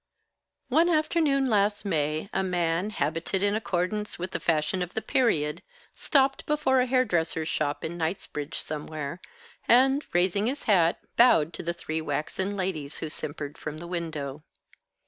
One afternoon last May, a man, habited in accordance with the fashion of the period, stopped before a hairdresser's shop in Knightsbridge somewhere, and, raising his hat, bowed to the three waxen ladies who simpered from the window.